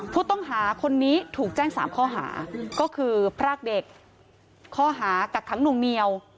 ผู้ต้องหาคนนี้ถูกแจ้ง๓ข้อหาก็คือพรากเด็กข้อหากักขังหนวงเหนียว